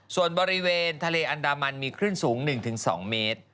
ส่วนบริเวณทะเลอันดามันมีคลื่นสูง๑๒เมตร